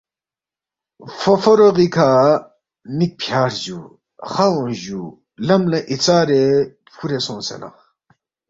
فوفوروغی کھا مِک فیارس جُو، خا اونگس جُو، لم لہ ایژارے فُورے سونگسے نہ،